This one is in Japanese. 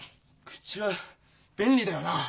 口は便利だよな。